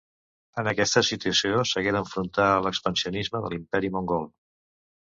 En aquesta situació s'hagué d'enfrontar a l'expansionisme de l'Imperi Mongol.